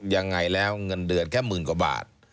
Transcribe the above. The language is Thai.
ยังไงแล้วเงินเดือนแค่หมื่นกว่าบาท